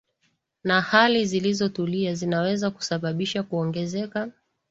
na hali zilizotulia zinaweza kusababisha kuongezeka